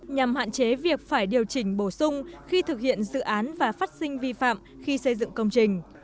nhằm hạn chế việc phải điều chỉnh bổ sung khi thực hiện dự án và phát sinh vi phạm khi xây dựng công trình